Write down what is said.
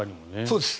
そうです。